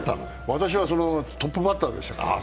私はそのトップバッターでしたから。